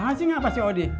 em bacet nggak pak aji odi